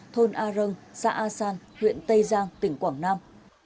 thôn a râng xã a san huyện tây giang tỉnh quảng nam